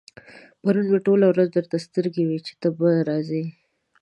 پرون مې ټوله ورځ درته سترګې وې چې ته به راځې.